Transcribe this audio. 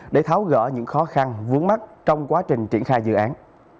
để tháo gỡ những khó khăn vướng mắt trong quá trình triển khai dự án